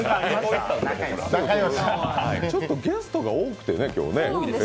ちょっとゲストが多くてね、今日ね。